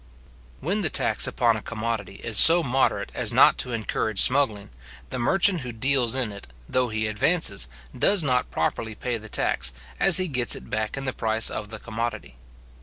When the tax upon a commodity is so moderate as not to encourage smuggling, the merchant who deals in it, though he advances, does not properly pay the tax, as he gets it back in the price of the commodity.